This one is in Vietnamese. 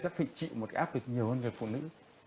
sắp phải chịu một cái ác vực nhiều hơn người phụ nữ